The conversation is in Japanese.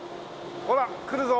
ほら来るぞ。